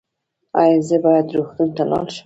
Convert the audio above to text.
ایا زه باید روغتون ته لاړ شم؟